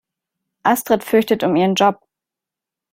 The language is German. Astrid fürchtet um ihren Job.